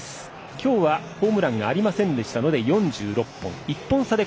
今日はホームランがありませんでしたので４６本です。